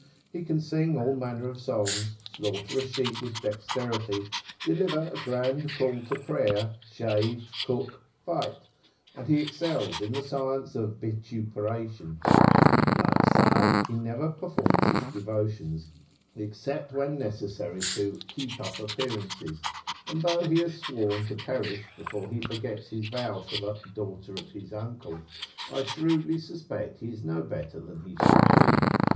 He can sing all manner of songs, slaughter a sheep with dexterity, deliver a grand call to prayer, shave, cook, fight; and he excels in the science of vituperation: like Sa'ad, he never performs his devotions, except [p.164]when necessary to "keep up appearances," and though he has sworn to perish before he forgets his vow to the "daughter of his uncle," I shrewdly suspect he is no better than he should be.